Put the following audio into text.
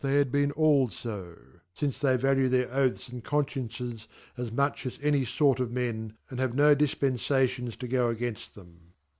they had been all jo, fince they value their Oaths andCotsfcieaces as much as any fort of men, and have no Difbett Jaiiovs to go against 'them.